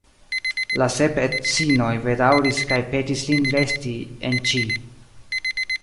La sep edzinoj bedaŭris kaj petis lin resti en Ĉi.